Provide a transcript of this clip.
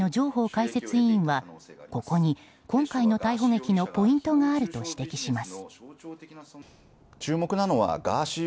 解説委員はここに今回の逮捕劇のポイントがあると指摘します。